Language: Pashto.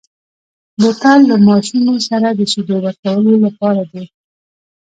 بوتل له ماشومو سره د شیدو ورکولو لپاره دی.